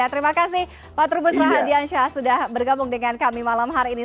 terima kasih pak trubus rahadiansyah sudah bergabung dengan kami malam hari ini